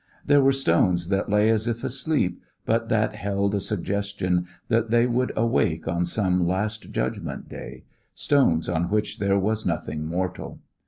There were stones that lay as if asleep but that held a suggestion that they would awake on some last judgment day, stones on which there was nothing mortal.